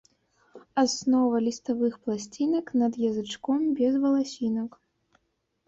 Аснова ліставых пласцінак над язычком без валасінак.